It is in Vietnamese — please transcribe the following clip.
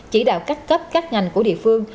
chỉ đạo cắt cấp các ngành của địa phương